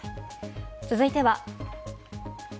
続いては。